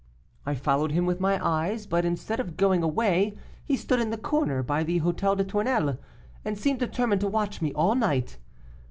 I followed him with my eyes, but instead of going away he stood in the corner by the Hôtel des Tournelles, and seemed determined to watch me all night.